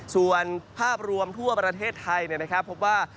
ส่วนภาพรวมทั่วประเทศไทยพบว่า